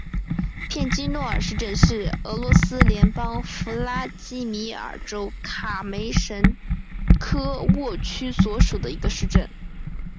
片基诺市镇是俄罗斯联邦弗拉基米尔州卡梅什科沃区所属的一个市镇。